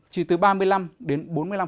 chỉ từ ba mươi năm đến bốn mươi năm